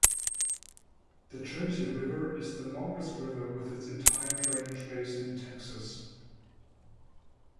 The Trinity River is the longest river with its entire drainage basin in Texas.